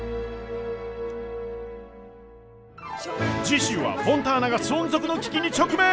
次週はフォンターナが存続の危機に直面！